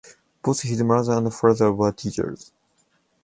Both his mother and father were teachers.